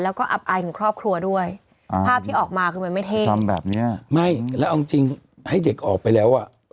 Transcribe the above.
ว่าเอาจริงให้เด็กออกไปแล้วอะ